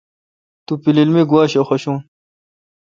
تو پیلیل می گوا شہ حوشون۔